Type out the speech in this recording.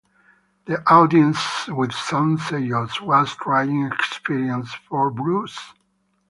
The audience with Susenyos was a trying experience for Bruce.